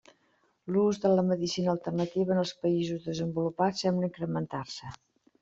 L'ús de la medicina alternativa en els països desenvolupats sembla incrementar-se.